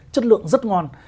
chất lượng rất ngon